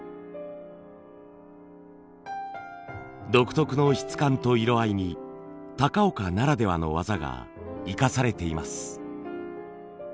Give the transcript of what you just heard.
独特の質感と色合いに高岡ならではの技が生かされています。